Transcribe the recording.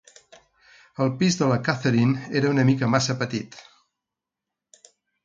El pis de la Catherine era una mica massa petit.